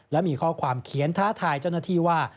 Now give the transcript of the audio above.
และมีข้อความเขียนท้าทายเจ้าหน้าที่ว่า